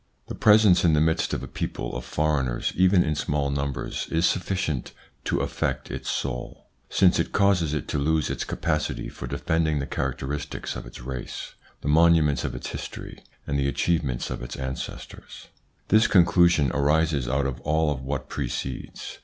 The presence in the midst of a people of foreigners, even in small numbers, is sufficient to affect its soul, since it causes it to lose its capacity for defending the characteristics of its race, the monu ments of its history, and the achievements of its ancestors. This conclusion arises out of all of what precedes.